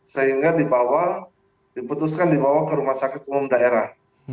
sehingga dibawa diputuskan dibawa ke rumah sakit umum daerah